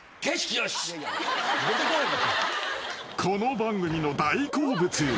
［この番組の大好物］